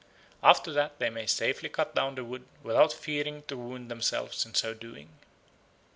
After that they may safely cut down the wood without fearing to wound themselves in so doing.